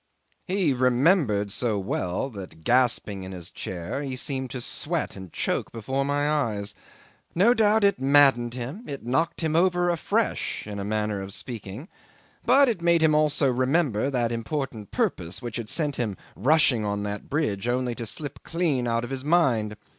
'He remembered so well that, gasping in the chair, he seemed to sweat and choke before my eyes. No doubt it maddened him; it knocked him over afresh in a manner of speaking but it made him also remember that important purpose which had sent him rushing on that bridge only to slip clean out of his mind.